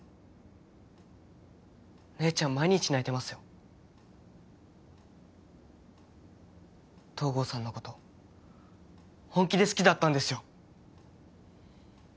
姉ちゃん毎日泣いてますよ東郷さんのこと本気で好きだったんですよ